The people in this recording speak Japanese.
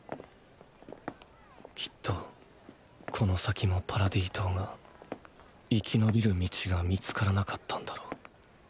きっとこの先もパラディ島が生き延びる道が見つからなかったんだろう。